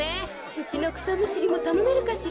うちのくさむしりもたのめるかしら。